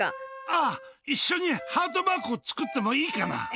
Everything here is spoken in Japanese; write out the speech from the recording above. あっ、一緒にハートマークを作ってもいいかな？